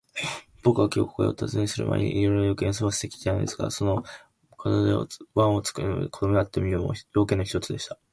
ぼくはきょう、ここへおたずねするまえに、いろいろな用件をすませてきたのですが、その門番をつとめた子どもに会ってみるのも、用件の一つでした。